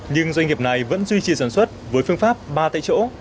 nhưng doanh nghiệp này vẫn duy trì sản xuất với phương pháp ba tại chỗ